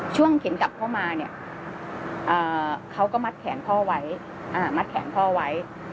ช่วงเข็นกลับเข้ามาเนี่ยเขาก็มัดแขนพ่อไว้